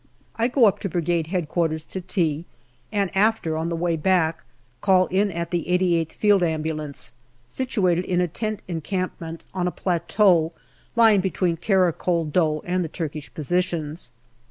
I go up to Brigade H.Q. to tea, and after, on the way back, call in at the 88th Field Ambulance, situated in a tent encampment on a plateau lying between Kara Kol Dogh and the Turkish positions.